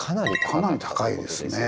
かなり高いですね。